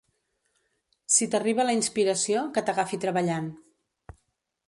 Si t'arriba la inspiració, que t'agafi treballant.